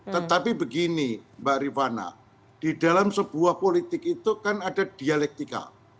tetapi begini mbak rifana di dalam sebuah politik itu kan ada dialektika